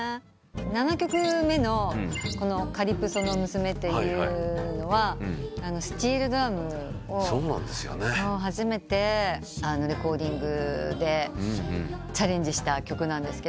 ７曲目の『カリプソの娘』はスチールドラムを初めてレコーディングでチャレンジした曲。